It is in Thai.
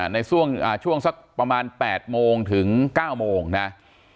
ในช่วงสักประมาณ๘โมงถึง๙โมงนะ